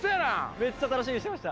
めっちゃ楽しみにしてました。